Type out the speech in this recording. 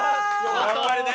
やっぱりね。